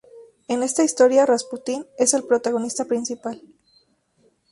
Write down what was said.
En esta historia, Rasputín es el protagonista principal.